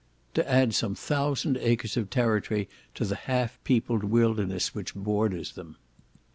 to add some thousand acres of territory to the half peopled wilderness which borders them.